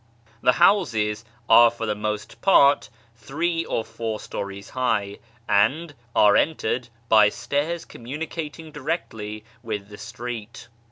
i The houses are for the most part three or four stories high, \ and are entered by stairs communicating directly with the \ street.